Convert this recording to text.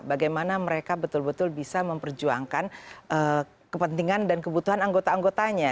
bagaimana mereka betul betul bisa memperjuangkan kepentingan dan kebutuhan anggota anggotanya